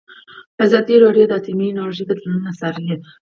ازادي راډیو د اټومي انرژي بدلونونه څارلي.